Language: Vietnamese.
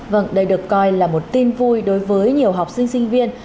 vâng đây được coi là một tin vui đối với nhiều học sinh sinh viên